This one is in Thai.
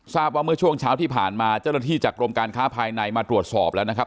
ทราบว่าเมื่อช่วงเช้าที่ผ่านมาเจ้าหน้าที่จากกรมการค้าภายในมาตรวจสอบแล้วนะครับ